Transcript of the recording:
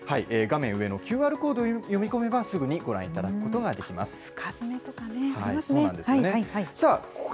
画面上のＱＲコードを読み込めば、すぐにご覧いただくことができます。